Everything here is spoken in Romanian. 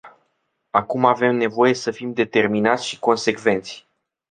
Acum avem nevoie să fim determinați și consecvenți.